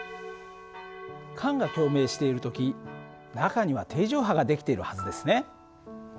管が共鳴している時中には定常波が出来ているはずですね。